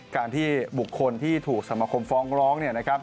การที่บุคคลที่ถูกสมคมฟ้องร้อง